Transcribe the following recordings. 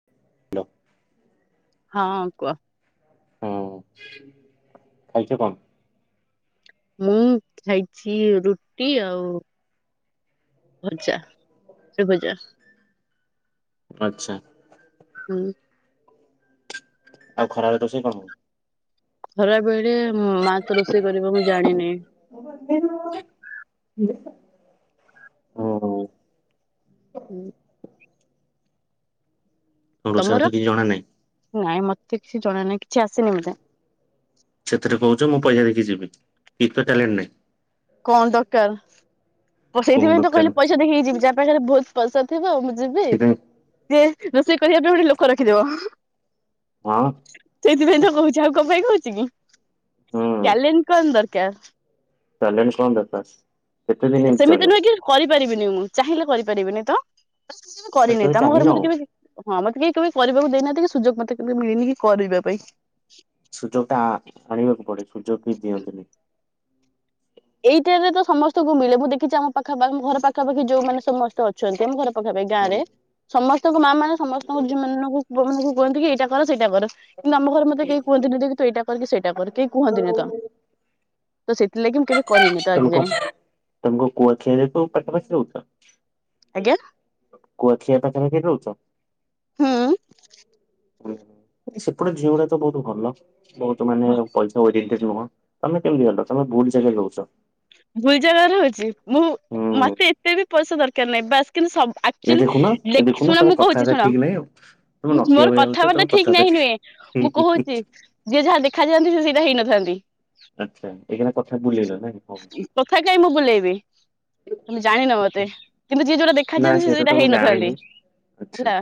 [inaudible] ହଁ କୁହ। ହୁଁ [inaudible] ଖାଇଛ କଣ? ମୁଁ ଖାଇଛି ରୁଟି ଆଉ ଭଜା ସେଭଜା। ଆଚ୍ଛା। ହୁଁ। ଆଉ ଖରାବେଳେ ରୋଷେଇ କଣ? ଖରା ବେଳେ ମା ତ ରୋଷେଇ କରିବ ମୁଁ ଜାଣିନି। [unintelligible] [unintelligible] ହୁଁ। ତମକୁ ତମର? ରୋଷେଇବାସ କିଛି ଜଣା ନାହିଁ? ନାଇଁ ମତେ କିଛି ଜଣା ନାହିଁ। କିଛି ଆସିନି ମତେ। ସେଥିରେ କହୁଛ ମୁଁ ପଇସା ଦେଖି ଯିବି। କିଛି ତ ଟ୍ୟାଲେଣ୍ଟ ନାହିଁ। କଣ ଦରକାର? କଣ ସେଇଥିପାଇଁ ତ ଦରକାର କହିଲି ପଇସା ଦେଖିକି ଯିବି ଯାହା ପାଖରେ ବହୁତ ପଇସା ଥିବ ମୁଁ ଯିବି ସେଥିପାଇଁ ଯେ ରୋଷେଇ କରିବା ପାଇଁ ଗୋଟେ ଲୋକ ରଖିଦବ। ହଁ ସେଇଥିପାଇଁ ତ କହୁଛି ଆଉ କଣ ପାଇଁ କହୁଛି କି ହୁଁ ଟାଲେଣ୍ଟ କଣ ଦରକାର? ଟାଲେଣ୍ଟ କଁ ଦରକାର। କେତେ ଦିନ ଏମିତି ସେମିତି ଚଳିବ? ନୁହେଁ କି କରିପାରିବିନି ମୁଁ ଚାହିଁଲେ କରିପାରିବିନି ତ। [unintelligible] କରିନି କେବେ ତ ଆମ ଚାହିଁନ ଘରେ ଆଉ ମତେ କେବେ ହଁ ମତେ କେହି କେବେ କରିବାକୁ ଦେଇନାହାନ୍ତି କି ସୁଯୋଗ ମତେ କେମିତି ମିଳିନି କି କରିବା ପାଇଁ। ସୁଯୋଗ ଟା ଆଣିବାକୁ ପଡେ ସୁଯୋଗ ବି ଦିଅନ୍ତିନି। ଏଇଟାରେ ତ ସମସ୍ତଙ୍କୁ ମିଳେ ମୁଁ ଦେଖିଛି ଆମ ପାଖ ଘର ପାଖାପାଖି ଯୋଉମାନେ ସମସ୍ତେ ଅଛନ୍ତି ଆମ ଘର ପକ ପାଇଁ ଗାଁ ରେ ସମସ୍ତଙ୍କ ମା ମାନେ ସମସ୍ତଙ୍କ ଝିଅ ପୁଅ ମାନଙ୍କୁ କୁହନ୍ତି କି ଏଇଟା କର ସେଇଟା କର। କିନ୍ତୁ ଆମ ଘରେ ମତେ କେହି କୁହନ୍ତିନି କି ଏଇଟା କର। କରି ସେଇଟା କର କେହି କୁହନ୍ତିନି ତ ସେଥିଲାଗି ମୁଁ କେବେ କରିନି ତ ଆଜି [unintelligible] ଯାଏଁ ତୁ ପଟାପଶି ରହୁଛ। ଆଜ୍ଞା କୁଆଖିଆ ପାଖାପାଖି ରହୁଛ। ହୁଁ ସେପଟେ ଝିଅ ଗୁଡା ତ ବହୁତ ଭଲ ବହୁତ ମାନେ ଭ ପଇ ଓରିଏଣ୍ଟେଡ ନୁହଁ ତମେ କେମିତି ଗଲ ତମେ ବହୁତ ଜାଗା ଯାଉଛ। ଭୁଲ ଜାଗାରେ ହଉଛି ମୁଁ ହୁଁ ମତେ ଏତେ ବି ପଇସା ଦରକାର ନାହିଁ ବାସ ଏ କିନ୍ତୁ ଦେଖୁନ ଏ ଦେଖୁନ ଶୁଣ ତମ ମୁଁ କହୁଛି କଥାବାର୍ତ୍ତା ଶୁଣ ଠିକ ନାହିଁ ଆଉ ତମେ ନଟିଆ ମୋର ଭଳିଆ ହଉଛ ତମ କଥାବାର୍ତ୍ତା ଠିକ କଥାବାର୍ତ୍ତା ନାହିଁ ନୁହେଁ। ହୁଁ ମୁଁ ହୁଁ କହୁଛି ଯିଏ ଯାହା ଦେଖାଯାଆନ୍ତି ସେ ସେଇଟା ହେଇନଥାନ୍ତି। ଆଚ୍ଛା ଏଇକିନା କଥା ବୁଲେଇଲ ନାଇଁ। ହଉ କଥା କାହିଁ ମୁଁ ବୁଲେଇବି। ତମେ ଜାଣିନ ମତେ କିନ୍ତୁ ଯିଏ ଯୋଉଟା ନା ଦେଖାଯଆନ୍ତି ସେ ସେଇଟା ତ ମୁଁ ଜାଣିନି ହେଇନଥାନ୍ତି ଆଚ୍ଛା। ହେଲା।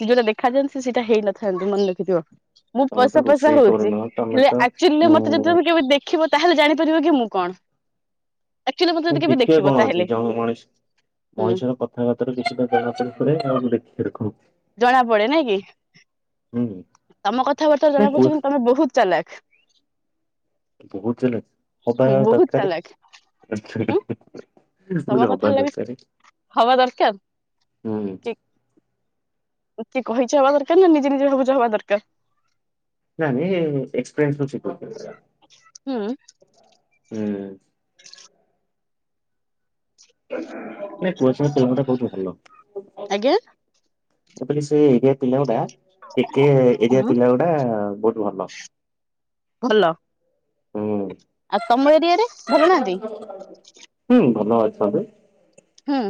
ସେ ଯଉଟା ଦେଖାଯାଆନ୍ତି ସେଇଟା ହେଇନଥାନ୍ତି ମନ ଦେଖିଥିବରେ। ମୁଁ ତମେ ତ ପଇସା ପଇସା ରୋଷେଇ ହଉଛି କରୁନ ତମେ ହେଲେ ତ ଆକ୍ଚୁଆଲି ମତେ ଉଁ ଯେତେବେଳେ ମୁଁ କେବେ ଦେଖି ଦେଖିବ ତାହେଲେ ଜାଣିପାରିବ କି ମୁଁ କଣ? ଆକ୍ଚୁଆଲି ମତେ ଯଦି କେବେ ଦେଖିବାେ ଦେଖିବ କଣ ଅଛି ତାହେଲେ ଜଣ ମଣିସ ହୁଁ ମଣିଷର ତାାତାର କିଛିଟ ତାାାତାର ପରେ ଆମ ଦେଖି ଏରଖ ଜଣା ପଡେ ନାଇଁ କି? ତମ କଥାବାର୍ତ୍ତାରେ ନାଇଁ ଜଣା କୁହ ପଡୁଛି କିନ୍ତୁ ତମେ ବହୁତ ଚାଲାକ। ବହୁତ ଜଲ ହବା ହୁଁ ଆଉ ବହୁତ ଦରକାର। ଚାଲାକ ହୁଁ ମୁ ତମ କଥା ହେଲା ହବାଷରେ ହବା ଦରକାର ହୁଁ ିକେ କହିଛ ହବା ଦରକାର ନା ନିଜେ ନିଜେ ଭାବୁଛ ହବା ଦରକାର। ନ ନ [unintelligible] ଛି ହୁଁ ହୁଁ ନାଇଁ ପୁଛ ତମଟା କହୁଛିୁ ଭଲ। ଆଜ୍ଞା ଏପ ସେ ଏରିଆ ପିଲା ଗୁଡା ଟେ ଏରିଆ ହୁଁ ପିଲା ଗୁଡା ବହୁତ ଭଲ। ଭଲ ହ୍ନୁ ଆଉ ତମ ଏରିଆ ରେ? ହୁଁ ଭଲ [unintelligible] ହୁଁ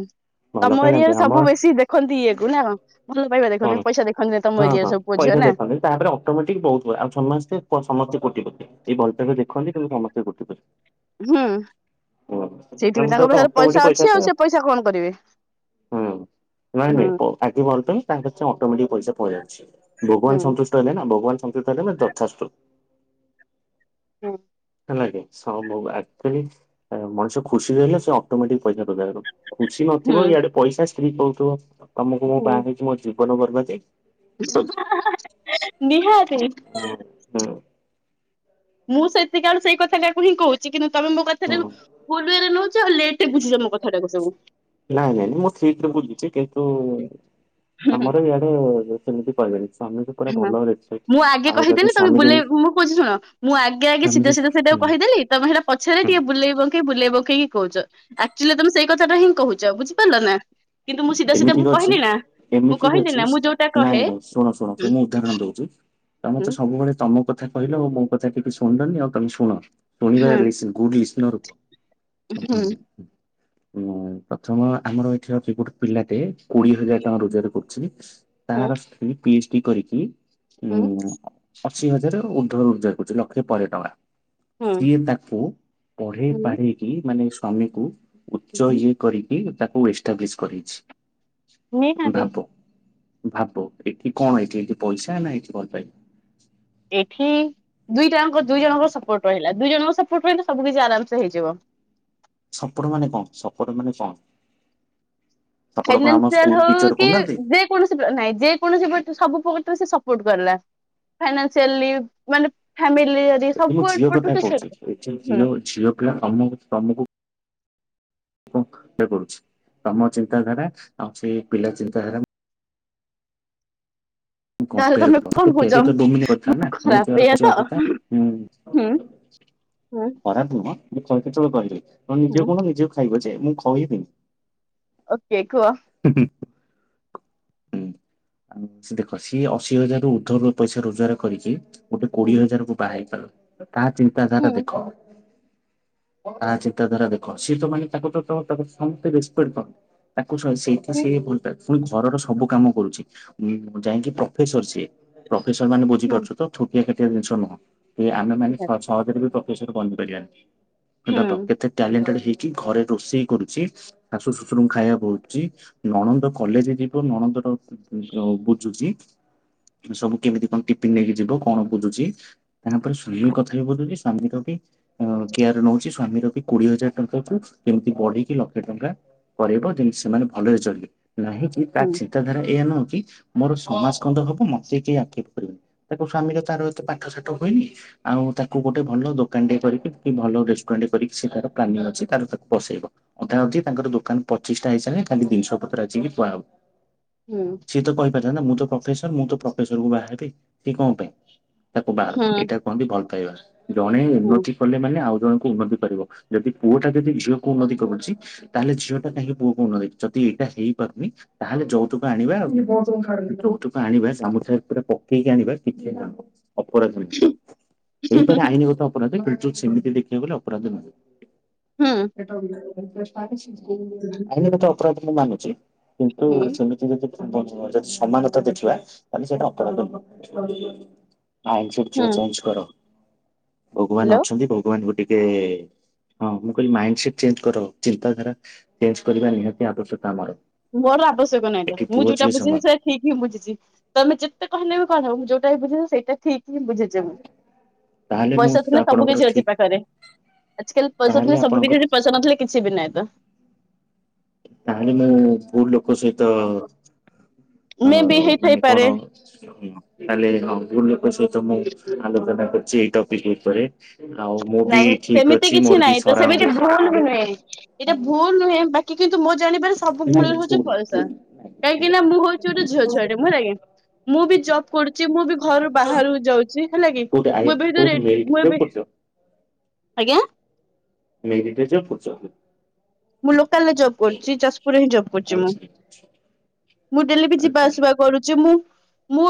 ଭଲ ତମ କାଇଁ ଲାଗେ ଏରିଆରେ ଆମ ସବୁ ବେଶୀ ଦେଖନ୍ତି ଇଏକୁ ନା? ଭଲ ପାଇବା କଣ ଦେଖନ୍ତୁସା ଦେଖୁ ନା ହଁ ତମ ଏଆ ହଁ ପଇସା ସବୁହଝିଅ ନା? ଦେଖନ୍ତି ତାପରେ ଅଟୋମେଟିକ୍ ବହୁତ ହ ଆଉ ସମସ୍ତେ ସମସ୍ତେ [unintelligible] [unintelligible] ଏଇ [unintelligible] ଦେଖନ୍ତି କିନ୍ତୁ ସମସ୍ତେ [unintelligible] ହୁଁ ଆମ ସେଇଥିିପାଇ ତ ତାଙ୍କ ପାଖରେ ଅଟୋମେଟିକ ପଇସା ଅଛି ଆସିବ ଆଉ ସେ ପଇସା କଣ କରିବେ? ହୁଁ। ନାଇଁ ହୁଁ ନାଇଁ ଆଗେ ଭଲ ତାଙ୍କ ପାରେ ଅଟୋମଟିକ ପଇସା ପ ଯାଉଛି। ହୁଁ ଭଗବାନ ସନ୍ତୁଷ୍ଟ ନା ଭଗବାନ [unintelligible] ତ ହେଲେ ଯକ୍ଷାସ୍ତ ହୁଁ ହେଲାେ ସବଚୁଆଲି ମଣିଷ ଖୁସିରେ ରହଲେ ସେ ଅଟୋମେଟିକ ପଇସା ଓଜାଗର ଖୁସି ହୁଁ ନଥିବ ଇଆଡେ ପଇସା ସ୍ତ୍ରୀ କଉଥିବ ତମକୁ ମୋ ହୁଁ ବାହା ହେଇଛି ମୋ ଜୀବନ ବର୍ବାଦ ନିହାତି ହଁ ମୁଁ ସେତିକି ଆଳୁ ସେଇ କଥାଟାକୁ ହିଁ କହୁଛି କିନ୍ତୁ ତମେ ମୋ କଥାରେ ହୁଁ ଭୁଲରେ ନଉଛି ଆଉ ଲେ କେତେ ବୁଝୁଛ ମମ କଥାଟାକୁ ସବୁ। ନାଇଁ ନାଇଁ ନାଇଁ ମୁଁ ସେଇଥିରେ ବୁଝଛି କିନ୍ତୁ ହୁଁ ଆମର ବି ସେମିତି କହିଲେନି ଆମେ ହଁ ମୁଁ ଆଗେ କହିଦେଲି ତମେ ଯଦି ବୁଲେଇ ମୁଁ କହୁଛି ଶୁଣ ମୁଁ ଆଗେ ଆଗେ ସ୍ୱାମୀ ସିଧା ଯଦି ସିଧା ହୁଁ ସେଇଟାକୁ କହିଦେଲି। ତମ ସେଟା ପଛରେ ହୁଁ ଟିକେ ବୁଲେଇ ବକେଇି ବୁଲେଇ ବକେଇକି କହୁଛ। ଆକ୍ଚୁଆଲି ତମେ ସେଇ କଥାଟା ହିଁ କହୁଛ ବୁଝିପାରିଲ ନା କିନ୍ତୁ ମୁଁ ସିଧା ସିଧା ଏମିତି ମୁଁ ବି ଅଛି କହିଲି ନା ମୁଁ ଏମିତି ବି କହିଲି ଅଛି ନା ମୁଁ ଯୋଉଟା ନାଇଁ କହେ ନାଇଁ ଶୁଣ ଶୁଣ ଶୁ ହୁଁ ମୁଁ ଉଦାରଣ ଦଉଛି। ତ ହୁଁ ମତେ ସବୁବେଳେ ତମ କଥାତମର କଠା ତୀ କହିଲ ମୋ କଥା ଟିକେ ଶୁଣଣ୍ଡନି ଆଉ ତମେ ଶୁଣ ହୁଁ ଶୁଣିବାନରୁ ହୁଁ ପ୍ରଥମ ଆମର ଏଠି ତ୍ରିପଟ ପିଲାଟେ କୋଡିଏ ହଜାର ଟଙ୍କା ରୋଜଗାର କରୁଛି ହୁଁ ତାର ସ୍ତ୍ରୀ ପି ଏଚ ଡି କରିକି ହୁଁ ଅଶୀ ହଜାର ଉର୍ଦ୍ଧାର ଉଦ୍ଧାର କରୁଛି ଲକ୍ଷେ ପରେ ଟଙ୍କା। ହୁଁ ସିଏ ତାକୁ ପଢେଇ ହୁଁ ପଢେଇକି ମାନେ ସ୍ଵାମୀକୁ ଉଚ୍ଚ ହୁଁ ଇଏ କରିକି ତାକୁ [unintelligible] କରଛି ନିହାତି ଭାବ ଭାବ ଏଠି କଣ ଏଇଠି ଏଠି ପଇସା ନା ଏଇଠି ଭଲ ପାଇଁ। ଏଠି ଦିଇଟାଙ୍କ ଦୁଇ ଜଣଙ୍କ ସପୋର୍ଟ ରହିଲା ଦୁଇ ଜଣଙ୍କ ସପୋର୍ଟ ରହିଲା ସବୁ କିଛି ଆରାମସ ହେଇଯିବ। ସପର ମାନେ କଣ ସପର ମାନେ କଣ? ସପୋର୍ଟ କଣ ଆମ ଫାଇନାନ୍ସିଆଲ ସ୍କୁଲ ହଉ ଟିଚର କି କରୁନାହାନ୍ତି। କୌଣସି ନାଇଁ ଯେକୌଣସି ସବୁ ପ୍ରକାରରେ ସେ ସପୋର୍ଟ କଲା। ଫାଇନାସିଆଲି ମାନେ ଫ୍ୟାମିଲି ଏଠି ମୁଁ ସବୁ ଝିଅ ଏପଟୁ କଥା ସେ ସେ କହୁଛି, ଏ ହୁଁ ଝିଅ ଝିଅ ପିଲା ତମ ତମକୁ ହ ସେ କରୁଛି, ତମ ଚିନ୍ତାଧାରା ଆଉ ସେ ପିଲା ଚିନ୍ତାଧାରା ମୁଁ ତାହେଲେ କମ୍ପେଆର୍ ତମେ କରୁଚି, କଣ [unintelligible] କହୁଛ ଖରାପ ଏଇଆ ତ ହୁଁ ହୁଁ ଖରାପ ନୁହଁ ମୁଁ କେତେବେଳେ କହିଲି, ତମେ ନିଜେ ହୁଁ କହୁନ ନିଜେ ଖାଇବ ଯେ ମୁଁ ଖଇବିନି। ଓକେ କୁହ। ହୁଁ ହୁଁ। ଆ ସେ ଦେଖ ସିଏ ଅଶି ହଜାରରୁ ଉର୍ଧବ ପଇସା ରୋଜଗାର କରିକି ଗୋଟେ ହୁଁ କୋଡିଏ ହଜାର କୁ ବା ହେଇ ପାର, ତା ଚିନ୍ତାଧାରା ହୁଁ ଦେଖ। ଆ ଚିନ୍ତାଧାରା ଦେଖ, ସେ ତ ମାନେ ତାକୁ ତ-ତ-ତ ସମସ୍ତେ ରେସ୍ପେକ୍ଟ କରନ୍ତି। ତାକୁ ସେଇଟା ସିଏ ଭଲ ପାଏ, ପୁଣି ଘରର ସବୁ କାମ କରୁଛି ଯାଇକି ପ୍ରଫେସର ସିଏ। ପ୍ରଫେସର ମାନ ହୁଁ ବୁଝିପାରୁଛୁ ତ, ଛୋଟିଆ କାଟିଆ ଜିନିଷ ନୁହଁ, ଏ ଆମେ ମାନେ ହୁଁ ସହଜରେ ବି ପ୍ରଫେଶର ବନି ପାରିବାନି, ହୁଁ ସେ ତ କେତେ ଟ୍ୟାଲେଣ୍ଟେଡ ହେଇକି ଘରେ ରୋଷେଇ କରୁଛି। ଶାଶୁ, ଶ୍ୱଶୁରଙ୍କୁ ଖାଇବା ଦଉଛି, ନଣନ୍ଦ କଲେଜ ଜି ଯିବ, ନଣନ୍ଦର ଉଁ ବୁଝୁଛି। ସବୁ କେମିତି କଣ ଟିଫିନ ନେଇକି ଯିବ କଣ ବୁଝୁଛି, ତାପରେ ସ୍ୱାମୀ କଥା ବି ବୁଝୁଚି ସ୍ୱାମୀ ର ବି କେୟାର ନଉଛି, ସ୍ଵାମୀର ବି କୋଡିଏ ହଜାର ଟଙ୍କାକୁ କେମିତି ବଢିକି ଲକ୍ଷେ ଟଙ୍କା କରାଇବ ଯେମିତି ସେମାନେ ଭଲରେ ଚଳିବେ, ନାହିଁକି ତା ହୁଁ ଚିନ୍ତାଧାରା ଏୟା ନୁହଁ କି ମୋର ସମାସ୍ କନ୍ଦ ହବ, ମତେ କେହି ଆକ୍ଷେପ କରିବେନି ତା ସ୍ଵାମୀର ତାର ଏତେ ପାଠ ସାଠ ହୁଏନି ଆଉ ତାକୁ ଗୋଟେ ଭଲ ଦୋକାନ ଟେ କରିକି କି ଭଲ ରେଷ୍ଟୁରାଣ୍ଟ କରିକି ସେ ତାର ପ୍ଲାନିଂ ଅଛି ତାର ତାକୁ ବସେଇବ। ଅଧା ଅଧି ତାଙ୍କର ଦୋକାନ ପଚିସଷ୍ଟା ହେଇସାରିଲାଣି ଖାଲି ଜିନିଷ ପତ୍ର ଆିସିକି ଥୁଆ ହବ୍। ହୁଁ। ସିଏ ତ କହିପାରିଥାନ୍ତା ମୁଁ ତ ପ୍ରଫେସର ମୁଁ ତ ପ୍ରଫେସର କୁ ବାହା ହେବି, ସେ କଣ ପାଇଁ ତାକୁ ବାହା ହେଲା, ହୁଁ ଏଇଟାକୁ କୁହନ୍ତି ଭଲ ପାଇବା, ଜଣେ ହୁଁ ଏନତି କଲେ ମାନେ ଆଉ ଜଣଙ୍କୁ ଉନ୍ନତି କରିବ, ଯଦି ପୁଅଟା ଯଦି ଝିଅକୁ ଉନ୍ନତି କରୁଛି ତାହେଲେ ଝିଅଟା କାହିଁକି ପୁଅକୁ ଉନ୍ନତି, ଯଦି ଏଇଟା ହେଇପରୁନି ତାହେଲେ ଯୌତୁକ ଆଣିବା, ଆଉ ଯୌତୁକ ଆଣିବା ସାମୁସାରେ ପକେଇକି ଆଣିବା କିଛି ଅପରାଧ ନୁହଁ, ହେଇପାରେ ଆଇନଗତ ଅପରାଧ କିନ୍ତୁ ସେମିତି ଦେଖିବାକୁ ଗଲେ ଅପରାଧ ନୁହେଁ। ହୁଁ। ଆଇନଗତ ଅପରାଧ ମୁଁ ମାନୁଛି, କିନ୍ତୁ ହୁଁ ସେମି ଯଦି ଯଦି ସମାନତା ଦେଖିବା ତାହେଲେ ସେଇଟା ଅପରା୍ଧ ନୁହଁ। ମାଇଣ୍ଡ ସେଟ୍ ଚେଞ୍ଜ କର, ଭଗବାନ ହ୍ୟାଲୋ ଅଛନ୍ତି ଭଗବାନଙ୍କୁ ଟିକେ ହଁ ମୁଁ କହିଲି ମାଇଣ୍ଡ ସେଟ୍ ଚେଞ୍ଜ କର, ଚିନ୍ତାଧାରା ଚେଞ୍ଜ କରିବା ନିହାତି ଆବଶ୍ୟକତା ଆମର। ମୋର ଆବଶ୍ୟକ ନାହିଁ ତ, ଏଠି ମୁଁ ପୁଅ ଯୋଉଟା ଝିଅ ବୁଝିବି ସମାନ ସେ ଠିକ୍ ହିଁ ବୁଝିଛି, ତମେ ଯେତେ କହିଲେ ବି କଣ ହବ, ମୁଁ ଯୋଉଟା ବି ବୁଝିିଚି ସେଇଟା ଠିକ୍ ହିଁ ବୁଝିଚି ମୁଁ। ତାହେଲେ ମୁଁ ପଇସା ଥିଲେ ସବୁ ଆପଣଙ୍କର କିଛି ଅଛି ଠିକ ପାଖରେ, ଆଜିକାଲି ପଇସା ତାହେଲେ ଥିଲେ ସବୁ ଆପଣଙ୍କ କିଛି ଯଦି ପଇସା ନଥିଲେ କିଛି ବି ନାହିଁ ତ। ତାହେଲେ ମୁଁ ଭୁଲ ଲୋକ ସହିତ, ଅ ମେ ବି ମାନେ ହେଇଥାଇପାରେ କଣ ହ ତାହଲେ ହଁ ଭୁଲ ଲୋକ ସହିତ ମୁଁ ଆଲୋଚନା କରିଛି ଏଇ ଟପିକ ଉପରେ। ଆଉ ମୁଁ ବି ନାଇଁ ଠିକ ସେମିତି ଅଛି କିଛି ମୋର ବି ନାହିଁ ତ, ସେମିତି ସରାଉଣ୍ଡିଙ୍ଗ ଭୁଲ ବି ନୁହେଁ, ଏଟା ଭୁଲ ନୁହେଁ ବାକି କିନ୍ତୁ ମୋ ଜାଣିବାରେ ସବୁ ମୁଳରେ ହଉଛି ପଇସା। କାହିଁକି ନା ମୁଁ ହଉଛି ଗୋଟେ ଝିଅ ଛୁଆ ଟେ, ହେଲା କି, ମୁଁ ବି ଜବ କରୁଛି ମୁଁ ବି ଘରୁ ବାହାରକୁ ଯାଉଛି ହେଲା କି, କୋଉଠି ଆଇ ମୁଁ ଏ କୋଉଠି ବିରେ ମେରିଟ ମୁଁ ରେ ଏବେ ପଢୁଛ ଆଜ୍ଞା? ମେରିଟ ରେ ଜବ କରୁଛ? ମୁଁ ଲୋକାଲରେ ଜବ କରୁଛି ଯାଜପୁରରେ ହିଁ ଜବ୍ କରୁଛି ମୁଁ, ଆଚ୍ଛା ମୁଁ ଡେଲି ବି ଯିବା ଆଚ୍ଛା। ହୁଁ ଆସିବା କରୁଛି ମୁଁ, ମୁଁ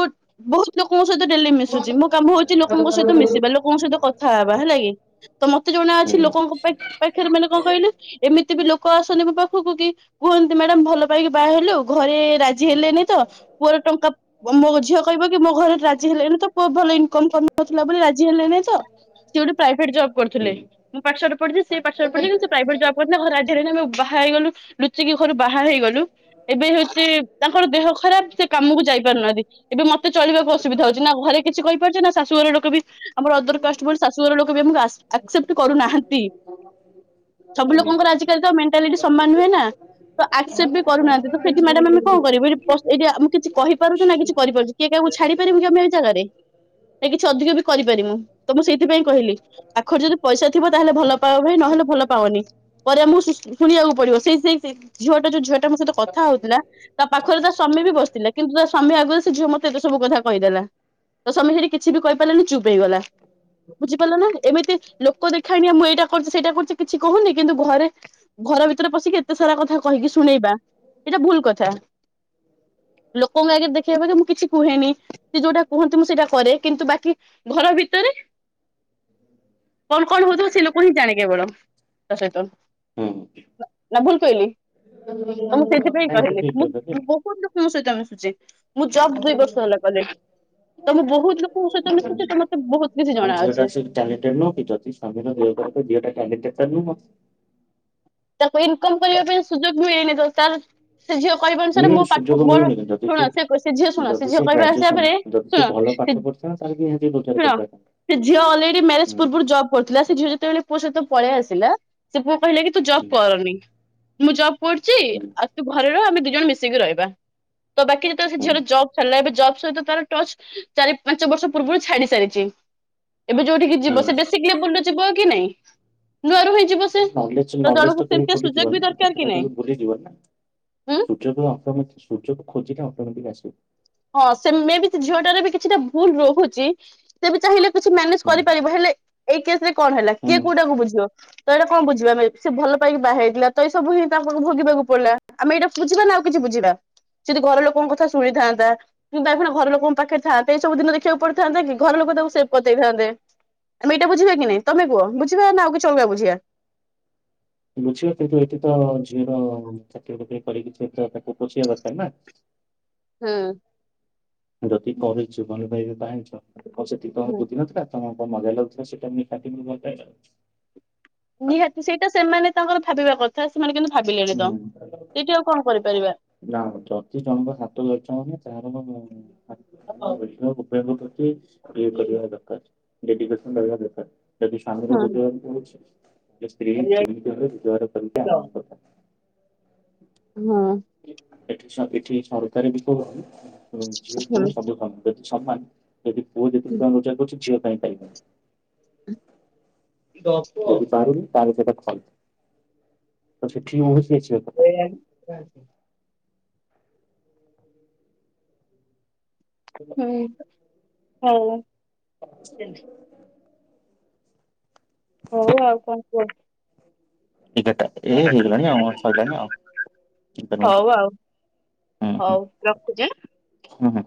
ବହୁତ ଲୋକଙ୍କ ସହିତ ଡେଲି ମିଶୁଛି ମୋ କାମ ହଉଛି ଲୋକଙ୍କ ସହିତ ମିଶିବା, ଲୋ ଲୋକଙ୍କ ସହିତ କଥା ହେବା ହେଲା କି, ତ ମତେ ଜଣେ ହୁଁ। ଅଛି ଲୋକଙ୍କ ପାଖରେ ମାନେ କଣ କହିଲେ ଏମିତି ବି ଲୋକ ଆସନ୍ତି ମୋ ପାଖକୁ କି କୁହନ୍ତି ମ୍ୟାଡାମ ଭଲ ପାଇକି ବାହା ହେଲୁ ଘରେ ରାଜି ହେଲେନି ତ ପୁଅର ଟଙ୍କା ମୋ ଝିଅ କହିବ କି ମୋ ଘରେ ରାଜି ହେଲେନି ତ ପୁଅ ଭଲ ଇନକମ କରୁନଥିଲା ବୋଲି ରାଜି ହେଲେନି ତ ସେ ଗୋଟେ ପ୍ରାଇଭେଟ୍ ଜବ୍ ହୁଁ। କରିଥିଲେ ମୁଁ ପାଠ ସାଠ ପଢିଚି ସେ ପାଠ ସାଠ ପଢିଛନ୍ତି ସେ ପ୍ରାଇଭେଟ ଜବ କୋଉଠି ନା ଘରୁ [inaudible] ବାହାହେଇଗଲୁ ଲୁଚିକି ଘରୁ ବାହା ହେଇଗଲୁ। ଏବେ ହଉଛି ତାଙ୍କର ଦେହ ଖରାପ ସେ କାମକୁ ଯାଇ ପାରୁନାହାନ୍ତି। ଏବେ ମତେ ଚଳିବାକୁ ଅସୁବିଧା ହଉଛି ନା ଘରେ କିଛି କହିପାରୁଛି ନା ଶାଶୁ ଘର ଲୋକ ବି ଆମର ଅଦର କାଷ୍ଟବୋଲି ଶାଶୁଘର ଲୋକ ବି ଆମକୁ ଆକ୍ସେପ୍ଟ କରୁନାହାଁନ୍ତି। ସବୁ ନାଇଁ ଲୋକଙ୍କର ଆଜିକାଲି ତ ମେଣ୍ଟାଲିଟି ସମାନ ନୁହେଁ ନା। ତ ଆକ୍ସେପ୍ଟ ବି କରୁନାହାଁନ୍ତି ତ ସେଠି ମ୍ୟାଡାମ ଆମେ କଣ କରିବୁ ହେଠି ପ୍ଲସ ଏଇଠି ଆ ମୁଁ କିଛି କହିପାରୁଛି ନା କିଛି କରିପାରୁଛି କିଏକାହାକୁ ଛାଡ଼ି ପାରିବୁକି ଆମେ ଏଇ ଜାଗାରେ ନା କିଛି ଅଧିକ ବି କରିପାରିବୁ ତ ମୁଁ ସେଇଥିପାଇଁ କହିଲି ପାଖରେ ଯଦି ପଇସା ଥିବ ତାହେଲେ ଭଲ ପାଅ ଭାଇ ନହେଲେ ଭଲ ପାଉନି। ପରେ ଆମକୁ ସୁ ସୁ ଶୁଣିବାକୁ ପଡିବ ସେଇ ସେଇ ଝିଅଟା ଯୋଉ ଝିଅଟା ମୋ ସହିତ କଥା ହଉଥିଲା ତା ପାଖରେ ତା ସ୍ଵାମୀ ବି ବସିଥିଲା କିନ୍ତୁ ତା ସ୍ୱାମୀ ଆଗରେ ସେ ଝିଅ ମୋତେ ଏତେ ସବୁ କଥା କହିଦେଲା। ତା ସ୍ୱାମୀ ସେଠି କିଛି ବି କହିପାରିଲାନି ଚୁପ୍ ହେଇଗଲା। ବୁଝିପାରିଲ ନା ଏମିତି ଲୋକ ଦେଖାଣିଆ ମୁଁ ଏଇଟା କରୁଛି ସେଇଟା କରୁଛି କିଛି କହୁନି କିନ୍ତୁ ଘରେ ଘର ଭିତରେ ପଶିକି ଏତେ ସାରା କଥା କହିକି ଶୁଣେଇବା ଏଇଟା ଭୁଲ କଥା। ଲୋକଙ୍କ ଆଗରେ ଦେଖେଇବା ହେବା ଯେ ମୁଁ କିଛି କୁହେନି। ସେ ଯୋଉଟା କୁହନ୍ତି ମୁଁ ସେଇଟା କରେ କିନ୍ତୁ ବାକି ଘର ଭିତରେ ହୁଁ କଣ କଣ ହଉଥିବ ସେ ଲୋକହିଁ ଜାଣେ କେବଳ ତା ସହିତ ନା ଭୁଲ କହିଲି? ତ ମୁଁ ସେଇଥିପାଇଁ ଏଟା କହିଲି ଠିକ ମୁଁ କହିଲ ବହୁତ ଲୋକଙ୍କ ସହିତ ମିଶୁଛି ମୁଁ ଜବ୍ ଦୁଇ ବର୍ଷ ହେଲା କଲିଣି। ତ ବହୁତ ଲୋକଙ୍କ ସହିତ ଯେ। ମିଶୁଛି ତ ମତେ ବହୁତ କିଛି ଝିଅଟା ଜଣାଅଛି। ତୋ ଝିଅଟା କ୍ୟାଣ୍ଡଡିଡେଟ୍ଟା ନୁଁହ? ତାକୁ ଇନକମ କରିବା ପାଇଁ ସୁଯୋଗ ମିଳେନିତ କାରଣ ସେ ଝିଅ କହିବା ଅନୁସାରେ ମୋ ମିଳୁନି ପାଠ ସୁଯୋଗ ମୋର ମିଳୁନି କି ଯଦି ଶୁଣ ସେ ସେ ଝିଅ ଶୁଣ ସେ ଯଦି ଝିଅ କହିବା ହିସାବରେ ଶୁଣ କାଇନା [inaudible] ଶୁଣ ପ୍ରଚାର କରିପାଇଲ ସେ ଝିଅ ଅଲରେଡି ମ୍ୟାରେଜ ପୂର୍ରୁ ଜବ୍ କରୁଥିଲା ସେ ଝିଅ ଯେତେବେଳେ ପୁଅ ସହିତ ପଳେଇ ଆସିଲା ସେ ପୁଅ କହିଲା କି ତୁ ଜବ ହୁଁ କରନି। ମୁଁ ଜବ କରୁଚି ହୁଁ ଆଉ ତୁ ଘରେରହ ଆମେ ଦିଇ ଜଣ ମିଶିକି ରହିବା। ତ ବାକିରେ ତ ସେ ହୁଁ ଝିଅର ଜବ୍ ସାରିଲା ଏ ଜବ ସହିତ ତାର ଟଚ ଚାରି ପାଞ୍ଚ ବର୍ଷ ପୂର୍ବରୁ ଛାଡି ସାରିଛି ଏବେ ଯୋଉଠିକି ଯିବ ହୁଁ। ସେ ବେଶୀକ ବୁଲୁ ଯିବ କି ନାଇଁ ନୂଆରୁ ହିଁ ଯିବ ସେ ତ ଜଣକୁ ସେମିତିଆ ସୁଯୋଗ ଭୁଲିଯିବ ବି ନା ଦରକାର ପାଠଟା କି ନାଇଁ? କାଲି ଭୁଲିଯିବ ନା। ସୁଯୋଗ ଅଟୋମେଟିକ ସୁଯୋଗ ଖୋଜିକେ ଅଟୋମେଟିକ ଆସେ। ହଁ ସେ ମେବି ସେ ଝିଅଟାର ବି କିଛିଟା ଭୁଲ ରହୁଛି। ସେ ବି ଚାହିଁଲେ କିଛି ମ୍ୟାନେଜ ହୁଁ କରିପାରିବ ହେଲେ ଏଇ କେସରେ କଣ ହେଲା କିଏ ହୁଁ କୋଉଟାକୁ ବୁଝିବ। ତ ଏଇଟା କଣ ବୁଝିବା ଆମେ ସେ ଭଲ ପାଇକି ବାହା ହେଇଥିଲା ତଏସବୁ ହିଁ ତାଙ୍କୁ ଭୋଗିବାକୁ ପଡିଲା ଆମେ ଏଇଟା ବୁଝିବା ନା ଆଉ କିଛି ବୁଝିବା ସେ ଯଦି ଘର ଲୋକଙ୍କ କଥା ଶୁଣିଥାନ୍ତା କିନ୍ତୁ ତାପରେ ଘର ଲୋକଙ୍କ ପାଖରେ ଥାନ୍ତେ ଏ ସବୁ ଦିନ ଦେଖିବାକୁ ପଡିଥାନ୍ତା କି ଘର ଲୋକ ତାକୁ ସେ୍ଭ କରିଦେଇଥାନ୍ତେ। ଆମେ ଏଇଟା ବୁଝିବା କି ନାଇଁ ତମେ କୁହ ବୁଝିବା ନା ଆଉ କି ଅଲଗା ବୁଝିବା? ବୁଝିବା କିନ୍ତୁ ଏଇଠି ତ ଝିଅର ଚାକିରି ବାକିରି କରିକି କିଛି ତାକୁ ପୋଷିବା ଦରକାର ନା। ହୁଁ। ଯଦି କରିଛୁ ଭଲ ପାଇକି ବାହାହେଇଚ ଆଉ ତମର ବୁଧିନଥିଲା? ତମକୁ କଣ ମଜାଲାଗୁଥିଲା ସେ ଟାଇମ [inaudible] ନିହାତି ସେଇଟା ସେମାନେ ତାଙ୍କର ଭାବିବା କଥା ସେମାନେ କିନ୍ତୁ ଭାବିଲେନିତ ହୁଁ ସେଇଠି ଆଉ କଣ କରିପାରିବା। ନା ଯଦି ଜଣଙ୍କ ହାତ ଧରିଚ ମାନେ [inaudible] ମାନେ ରଖିବାକୁ [inaudible] ଏ କରିବା ଦରକାର ଡେଡିକେସନ ରହିବା ଦରକାର। ଯଦି ସ୍ୱାମୀର ରୋଜଗାର କମୁଛି ସ୍ତ୍ରୀ ହଁ ସେମିତି କହିବ ରୋଜଗାର କରିକି ଆଣିକି ପକା। ନାଁ ଆ। ଏଠି ଏଠି ସରକାର ବି କଉ, ଯ ଝିଅ ପୁଅ ସବୁ କାମ। ଯଦି ସମାନ, ଯଦି ପୁଅ ଯେତିକି କଣ ରୋଜଗାର କରୁଛି, ଝିଅ କାଇଁ ପାରିବନି? [unintelligible] ଯଦି ପାରୁନି [unintelligible] [unintelligible] [unintelligible] [unintelligible] ହଉ, ଆଉ କଣ କୁଅ? ଏଗାରଟା ଏ ହେଇଗଲାଣି, ଆଉ ଆମ ସଇଲାଣି ଆଉ, ଟିକେ ରୁହନ୍ତୁ। ହଉ ଆଉ ହଉ, ରଖୁଚି ଆଁ। ହୁଁ ହୁଁ।